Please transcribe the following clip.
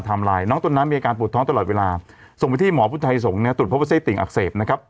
ไลน์น้องต้นน้ำมีอาการปวดท้องตลอดเวลาส่งไปที่หมอพุทธไทยสงฆ์เนี่ยตรวจพบว่าไส้ติ่งอักเสบนะครับ